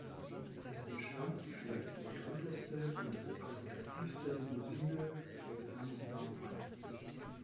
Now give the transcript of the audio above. Es entstand die vielleicht eleganteste und repräsentativste Limousine der gesamten Baureihe.